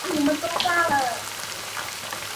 龙潭经济开发区是下辖的一个类似乡级单位。